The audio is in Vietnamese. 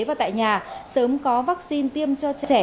và tại nhà sớm có vaccine tiêm cho trẻ